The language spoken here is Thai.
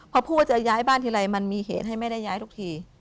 พอพูดว่าจะย้ายบ้านทีไรมันมีเหตุให้ไม่ได้ย้ายทุกที